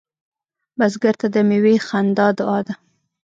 بزګر ته د میوې خندا دعا ده